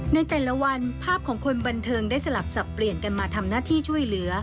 ในแต่ละวันภาพของคนบันเทิงได้สลับสับเปลี่ยนกันมาทำหน้าที่ช่วยเหลือ